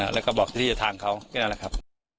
แล้วก็บอกที่จะทางเขาแค่นั้นแหละครับ